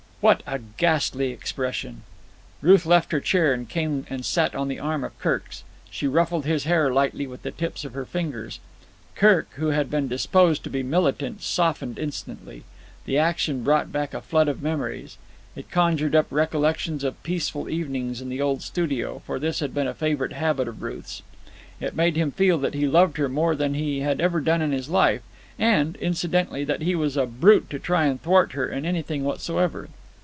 "What a ghastly expression!" Ruth left her chair and came and sat on the arm of Kirk's. She ruffled his hair lightly with the tips of her fingers. Kirk, who had been disposed to be militant, softened instantly. The action brought back a flood of memories. It conjured up recollections of peaceful evenings in the old studio, for this had been a favourite habit of Ruth's. It made him feel that he loved her more than he had ever done in his life; and—incidentally—that he was a brute to try and thwart her in anything whatsoever.